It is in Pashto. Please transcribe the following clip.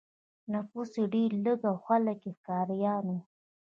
نفوس ډېر لږ و او خلک یې ښکاریان وو.